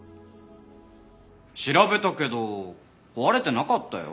調べたけど壊れてなかったよ。